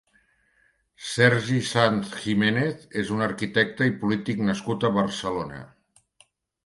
Sergi Sanz Jiménez és un arquitecte i polític nascut a Barcelona.